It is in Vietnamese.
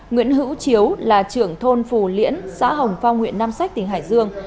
nguyễn hữu chiếu là trưởng thôn phù liễn xã hồng phong huyện nam sách tỉnh hải dương